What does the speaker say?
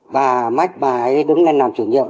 bà mách bà ấy đứng lên làm chủ nhiệm